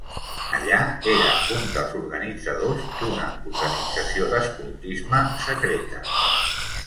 Allà era un dels organitzadors d'una organització d'Escoltisme secreta.